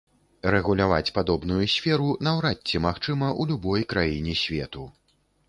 Рэгуляваць падобную сферу наўрад ці магчыма ў любой краіне свету.